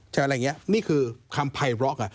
แต่อะไรอย่างนี้นี่คือคำภัยร้อน